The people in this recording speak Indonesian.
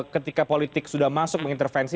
ketika politik sudah masuk mengintervensi